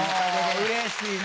うれしいな！